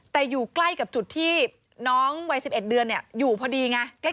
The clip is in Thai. แต่อยู่ใกล้กับจุดที่น้องวัย๑๑เดือนอยู่พอดีไง